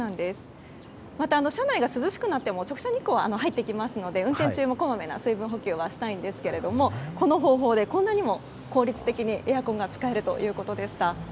また、車内が涼しくなっても直射日光は入ってくるので運転中もこまめな水分補給はしたいんですけれどもこの方法でこんなにも効率的にエアコンが使えるということでした。